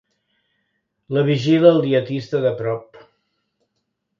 La vigila el dietista de prop.